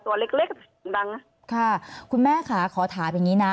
ตัวเล็กเล็กก็เสียงดังค่ะคุณแม่ขาขอถามอย่างงี้น่ะ